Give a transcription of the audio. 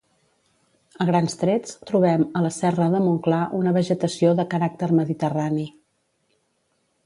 A grans trets, trobem a la Serra de Montclar una vegetació de caràcter mediterrani.